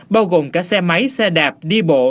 bao gồm cả xe máy xe đạp đi bộ